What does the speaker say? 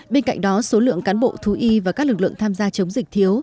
bên cạnh đó số lượng cán bộ thú y và các lực lượng tham gia chống dịch thiếu